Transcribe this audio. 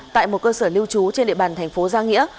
tại một cơ sở lưu trú trên địa bàn thành phố giang nghĩa